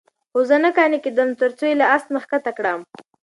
خو زه نه قانع کېدم. ترڅو یې له آس نه ښکته کړم،